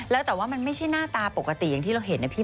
แล้วแต่ว่ามันไม่ใช่หน้าตาปกติอย่างที่เราเห็นนะพี่